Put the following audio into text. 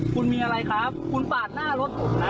คุณมีอะไรครับคุณปาดหน้ารถผมนะ